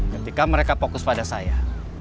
ketika mereka fokus pada saya